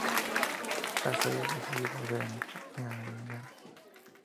La Salle decidió volver al Niagara.